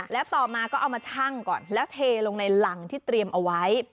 แล้วต่อมาเอามาช่างก่อนแถลงในหลังที่ตรียมเอาไว้